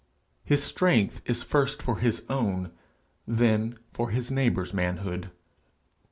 His strength is first for his own, then for his neighbour's manhood.